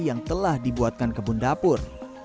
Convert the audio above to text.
yang telah dibuatkan kebun dapur